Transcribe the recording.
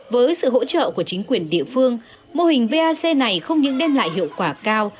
với sự hỗ trợ của chính quyền địa phương mô hình vac này không những đem lại hiệu quả cao